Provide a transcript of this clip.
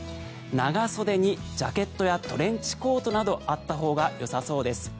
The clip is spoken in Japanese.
長袖にジャケットやトレンチコートなどあったほうがよさそうです。